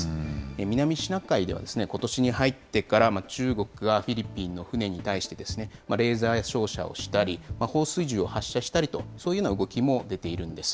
南シナ海では、ことしに入ってから中国がフィリピンの船に対してレーザー照射をしたり、放水銃を発射したりと、そういうような動きも出ているんです。